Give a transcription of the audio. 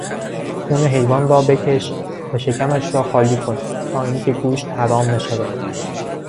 خون حیوان را بکش و شکمش را خالی کن تا اینکه گوشت حرام نشود.